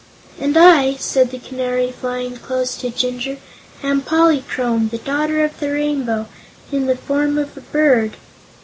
"And I," said the Canary, flying close to Jinjur, "am Polychrome, the Daughter of the Rainbow, in the form of a bird."